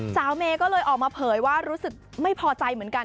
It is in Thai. เมย์ก็เลยออกมาเผยว่ารู้สึกไม่พอใจเหมือนกัน